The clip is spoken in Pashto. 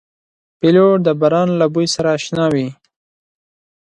پیلوټ د باران له بوی سره اشنا وي.